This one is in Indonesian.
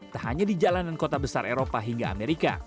tak hanya di jalanan kota besar eropa hingga amerika